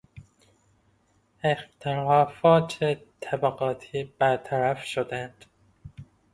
اختلافات طبقاتی برطرف شدند.